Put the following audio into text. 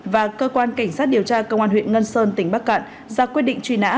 và cơ quan cảnh sát điều tra công an huyện ngân sơn tỉnh bắc cạn ra quyết định truy nã